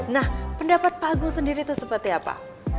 nah pendapat pak agung sendiri itu seperti apa